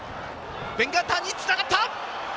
ベン・ガンターにつながった！